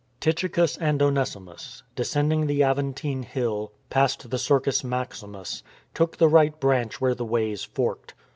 Tychicus and Onesimus, descending the Aventine Hill, past the Circus Maximus, took the right branch where the Ways forked.